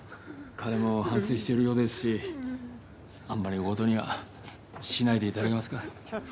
かれも反せいしてるようですしあんまりおおごとにはしないでいただけますか？